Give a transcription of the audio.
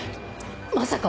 まさか。